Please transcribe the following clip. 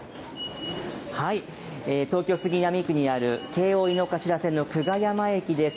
東京・杉並区にある京王井の頭線の久我山駅です。